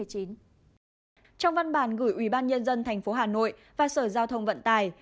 trong văn bản gửi ủy ban nhân dân thành phố hà nội và sở giao thông vận tải